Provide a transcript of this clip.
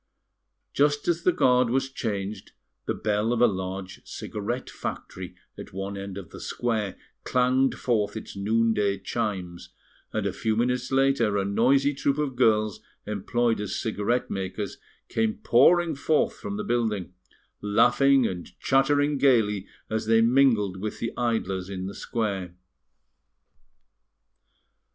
Just as the guard was changed, the bell of a large cigarette factory at one end of the square clanged forth its noon day chimes, and a few minutes later a noisy troop of girls employed as cigarette makers came pouring forth from the building, laughing and chattering gaily as they mingled with the idlers in the square.